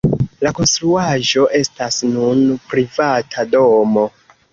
La konstruaĵo estas nun privata domo.